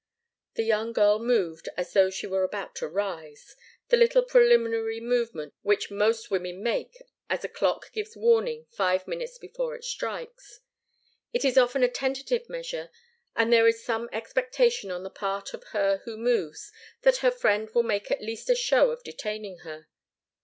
The young girl moved, as though she were about to rise, the little preliminary movement which most women make, as a clock gives warning five minutes before it strikes. It is often a tentative measure, and there is some expectation on the part of her who moves that her friend will make at least a show of detaining her.